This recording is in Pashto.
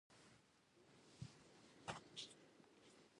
ځغاسته د زړه تپش تنظیموي